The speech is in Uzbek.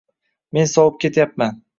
Men sovib ketyapman.